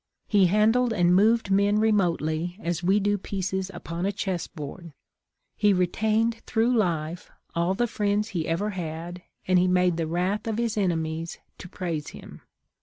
He handled and moved men remotely as we do pieces upon a chess board. He retained through life all the friends he ever had, and he made the wrath of his enemies to praise him.